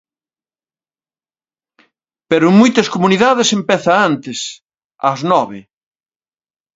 Pero en moitas comunidades empeza antes, ás nove.